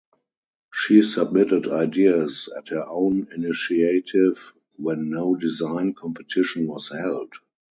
She submitted ideas at her own initiative when no design competition was held.